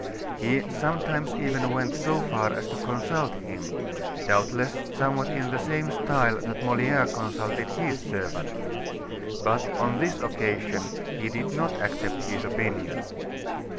He sometimes even went so far as to consult him, doubtless somewhat in the same style that Moliere consulted his servant. But, on this occasion he did not accept his opinion.